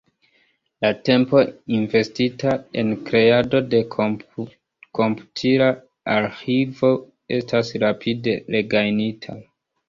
La tempo investita en kreado de komputila arĥivo estas rapide regajnita.